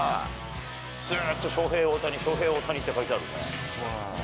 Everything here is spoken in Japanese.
ずっとショウヘイ・オオタニ、ショウヘイ・オオタニって書いてある。